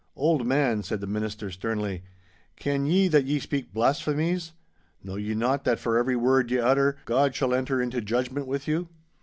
'Old man,' said the Minister, sternly, 'ken ye that ye speak blasphemies. Know ye not that for every word ye utter, God shall enter into judgment with you?